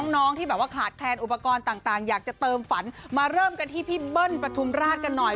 น้องที่แบบว่าขาดแคลนอุปกรณ์ต่างอยากจะเติมฝันมาเริ่มกันที่พี่เบิ้ลประทุมราชกันหน่อย